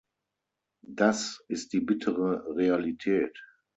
Das ist die bittere Realität.